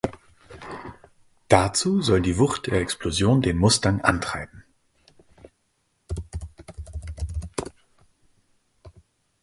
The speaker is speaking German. Dazu soll die Wucht der Explosion den Mustang antreiben.